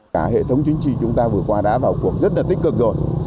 cả hệ thống chính trị chúng ta vừa qua đã vào cuộc rất là tích cực rồi